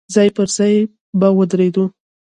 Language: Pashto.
ځای پر ځای به ودرېدو.